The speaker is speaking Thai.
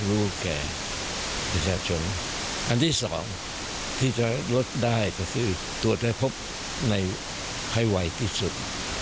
เราจะพบในภายวัยที่สุด